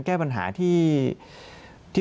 แก้ปัญหาที่